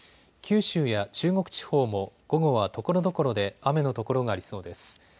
九州や中国地方も午後はところどころで雨の所がありそうです。